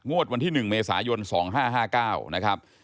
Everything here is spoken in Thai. วันที่๑เมษายน๒๕๕๙นะครับ